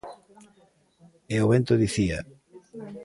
E o vento dicía: